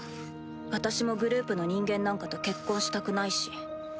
私もグループの人間なんかと結婚したくないし。